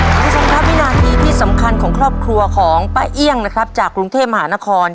คุณผู้ชมครับวินาทีที่สำคัญของครอบครัวของป้าเอี่ยงนะครับจากกรุงเทพมหานคร